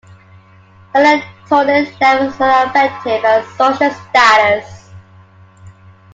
Serotonin levels are affected by social status.